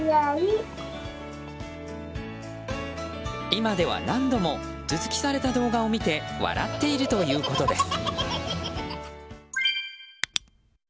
今では何度も頭突きされた動画を見て笑っているということです。